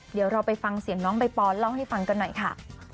เดี๋ยวเราไปฟังเสียงน้องใบปอนเล่าให้ฟังกันหน่อยค่ะ